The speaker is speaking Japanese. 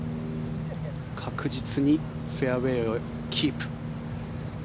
確実にフェアウェーをキープ。